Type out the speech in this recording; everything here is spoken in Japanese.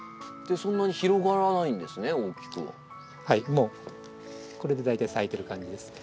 もうこれで大体咲いてる感じですね。